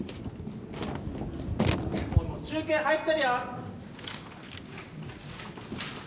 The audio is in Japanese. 中継入ってるよ！